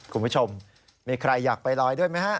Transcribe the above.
คุณผู้ชมมีใครอยากไปลอยด้วยไหมฮะ